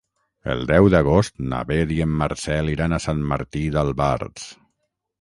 El deu d'agost na Beth i en Marcel iran a Sant Martí d'Albars.